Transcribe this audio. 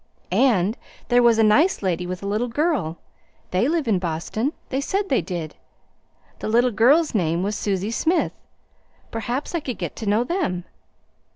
And there was a nice lady with a little girl. They live in Boston. They said they did. The little girl's name was Susie Smith. Perhaps I could get to know them.